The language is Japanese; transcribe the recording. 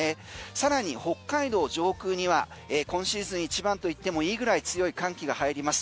更に北海道上空には今シーズン一番と言ってもいいぐらい強い寒気が入ります。